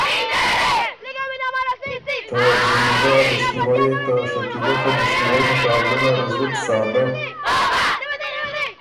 ته جمیلۀ ا دِست نیوئ يې ته شکیلۀ ته دِست نیوئ مقابلۀ نر زُت سادۀ